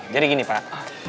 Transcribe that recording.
jadi gini pak